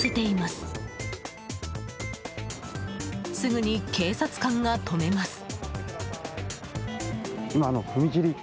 すぐに警察官が止めます。